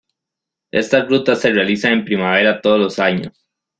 Estas rutas se realizan en primavera todos los años.